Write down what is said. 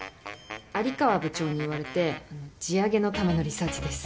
有川部長に言われてあの地上げのためのリサーチです。